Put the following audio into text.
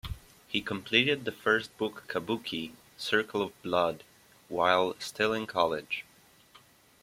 He completed the first book, "Kabuki: Circle of Blood", while still in college.